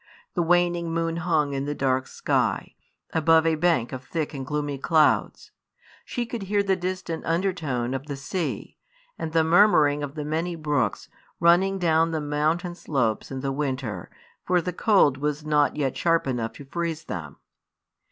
The waning moon hung in the dark sky, above a bank of thick and gloomy clouds. She could hear the distant undertone of the sea, and the murmuring of the many brooks running down the mountain slopes in the winter, for the cold was not yet sharp enough to freeze them.